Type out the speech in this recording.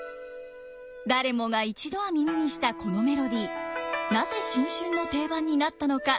誰もが一度は耳にしたこのメロディーなぜ新春の定番になったのか？